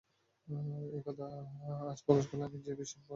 এ কথা আজ প্রকাশ হলে আমাকে যে বিষম জবাবদিহিতে পড়তে হবে।